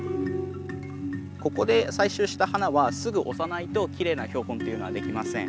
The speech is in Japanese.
ここで採集した花はすぐ押さないときれいな標本っていうのはできません。